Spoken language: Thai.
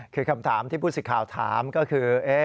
คือคำถามที่ผู้สิทธิ์ข่าวถามก็คือ